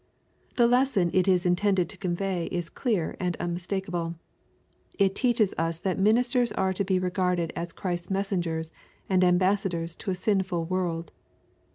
The lesson it is intended to convey is clear and unmistakable It teaches us that ministers are to be regarded as Christ's messengers and ambassadors to a sinful world.